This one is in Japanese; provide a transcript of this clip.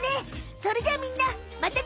それじゃあみんなまたね！